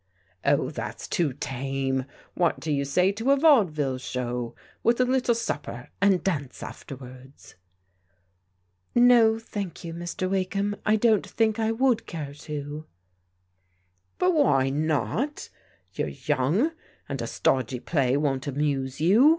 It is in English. " Oh, that's too tame. What do you say to a vaudeville show, with a little supper and dance afterwards ?"" No, thank you, Mr. Wakeham, I don't think I would care to." "But why not? You're young, and a stodgy play won't amuse you.